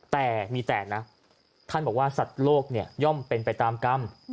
แต่มีแต่นะท่านบอกว่าสัตว์โลกย่อมเป็นไปตามกรรม